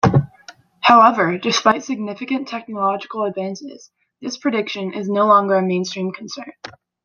However, despite significant technological advances, this prediction is no longer a mainstream concern.